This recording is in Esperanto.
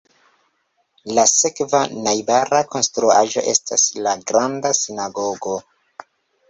La sekva najbara konstruaĵo estas la Granda Sinagogo.